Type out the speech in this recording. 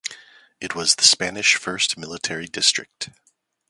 It was the Spanish First Military District.